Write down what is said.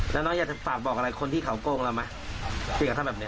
แล้วน้องอยากจะฝากบอกอะไรคนที่เขาโกงเราไหมคุยกับท่านแบบนี้